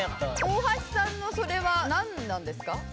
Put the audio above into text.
大橋さんのそれはなんなんですか？